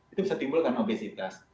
itu bisa timbul karena obesitas